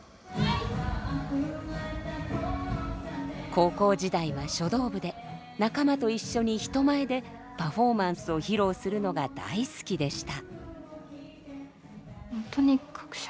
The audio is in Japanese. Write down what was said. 高校時代は書道部で仲間と一緒に人前でパフォーマンスを披露するのが大好きでした。